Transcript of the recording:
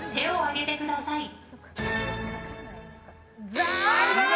残念！